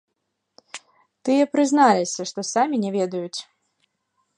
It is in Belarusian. Тыя прызналіся, што самі не ведаюць.